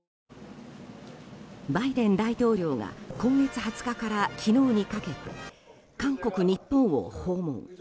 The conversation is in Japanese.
バイデン大統領が今月２０日から昨日にかけて韓国、日本を訪問。